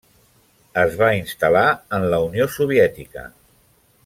Es va instal·lar en la Unió Soviètica.